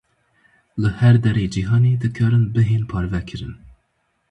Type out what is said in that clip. Li her derê cîhanê dikarin bihên parvekirin.